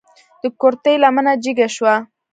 د کورتۍ لمنه جګه شوه.